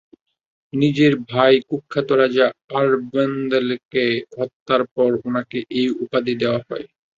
নিজের ভাই- কুখ্যাত রাজা অরভান্দিলকে হত্যার পর উনাকে এই উপাধি দেয়া হয়।